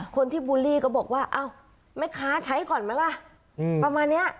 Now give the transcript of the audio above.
คนที่บูลลี่ก็บอกว่าอ้าวแม่ค้าใช้ก่อนไหมล่ะประมาณเนี้ย